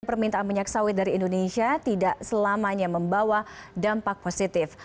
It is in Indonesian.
permintaan minyak sawit dari indonesia tidak selamanya membawa dampak positif